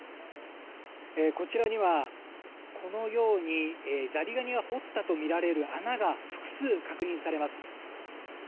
こちらにはザリガニが掘ったとみられる穴が複数確認されます。